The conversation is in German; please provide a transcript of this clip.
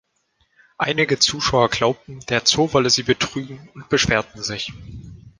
Einige Zuschauer glaubten, der Zoo wolle sie betrügen, und beschwerten sich.